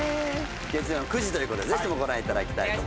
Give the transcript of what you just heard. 月曜の９時ということでぜひご覧いただきたいと思います